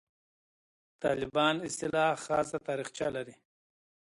«طالبان» اصطلاح خاصه تاریخچه لري.